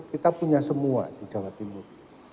kita punya semua di jawa timur